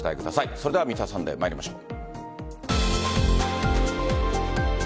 それでは「Ｍｒ．サンデー」参りましょう。